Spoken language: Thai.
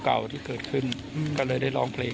ก็ตอบได้คำเดียวนะครับ